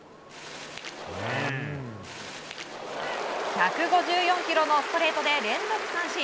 １５４キロのストレートで連続三振。